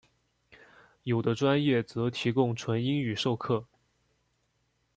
有的专业则提供纯英语授课。